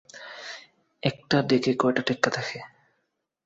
একটা ডেকে কয়ডা টেক্কা থাহে?